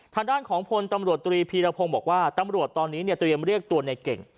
ทางด้านของพลตำรวจตรีพีรพงศ์บอกว่าตำรวจตอนนี้เนี่ยเตรียมเรียกตัวในเก่ง